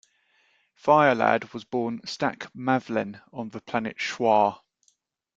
Fire Lad was born Staq Mavlen on the planet Shwar.